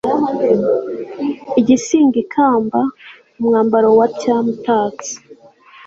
igisingo ikamba, umwambaro wa cyami utatse